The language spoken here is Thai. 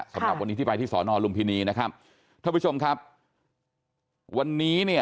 สำหรับวันนี้ที่ไปที่สอนอลุมพินีนะครับท่านผู้ชมครับวันนี้เนี่ย